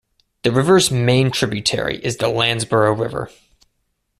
The river's main tributary is the Landsborough River.